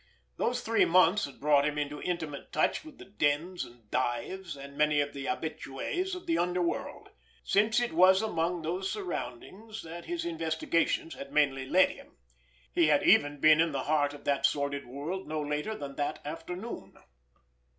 Those three months had brought him into intimate touch with the dens and dives, and many of the habitués of the underworld, since it was amongst those surroundings that his investigations had mainly led him. He had even been in the heart of that sordid world no later than that afternoon.